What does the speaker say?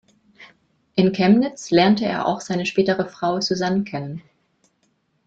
In Chemnitz lernte er auch seine spätere Frau Susann kennen.